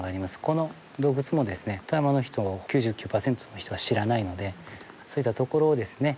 この洞窟もですね富山の人９９パーセントの人が知らないのでそういったところをですね